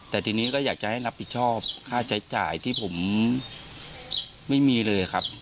แต่ทีนี้ก็อยากจะให้รับผิดชอบค่าใช้จ่ายที่ผมไม่มีเลยครับ